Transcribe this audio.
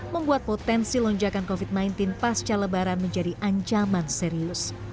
membuat potensi lonjakan covid sembilan belas pasca lebaran menjadi ancaman serius